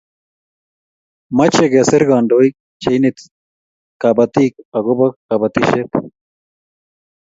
Mache kesir kandoik che ineti kabatik akobo kabatishet